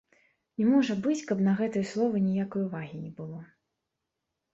Не можа быць, каб на гэтыя словы ніякай увагі не было.